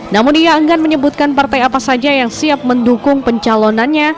namun ia enggan menyebutkan partai apa saja yang siap mendukung pencalonannya